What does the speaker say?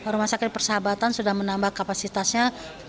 rumah sakit persahabatan sudah menambah kapasitasnya